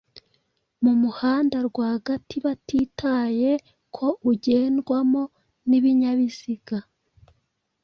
mu muhanda rwagati batitaye ko ugendwamo n’ ibinyabiziga